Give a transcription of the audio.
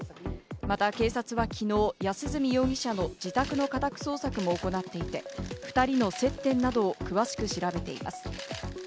また警察はきのう安栖容疑者の自宅の家宅捜索も行っていて、２人の接点などを詳しく調べています。